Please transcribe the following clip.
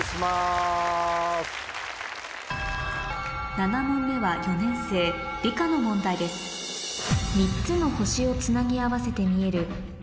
７問目は４年生理科の問題ですおっ。